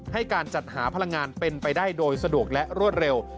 ให้การจัดหาพลังงานเป็นไปได้โดยสะดวกและรวดเร็ว